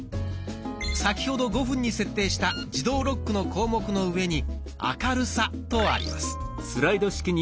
先ほど５分に設定した「自動ロック」の項目の上に「明るさ」とあります。